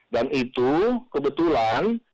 dan itu kebetulan